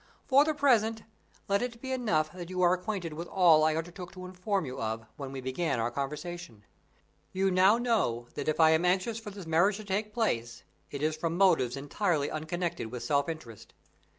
"For the present, let it be enough that you are acquainted with all I undertook to inform you of when we began our conversation. You now know that if I am anxious for this marriage to take place, it is from motives entirely unconnected with self interest.